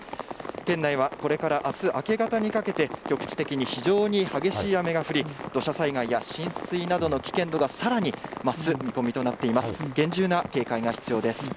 県内はこれからあす明け方にかけて、局地的に非常に激しい雨が降り、土砂災害や浸水などの危険度がさらに増す見込みとなっています。